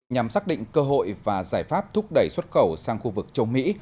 nhằm xác định cơ hội và giải pháp thúc đẩy xuất khẩu sang khu vực châu mỹ